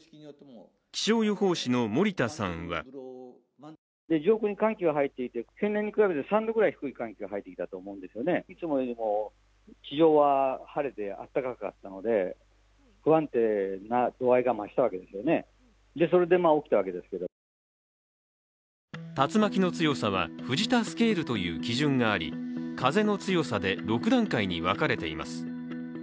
気象予報士の森田さんは竜巻の強さは藤田スケールという基準があり風の強さで６段階に分かれています。